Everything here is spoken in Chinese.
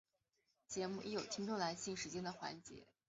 节目亦有听众来信时间的环节。